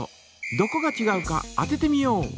どこがちがうか当ててみよう！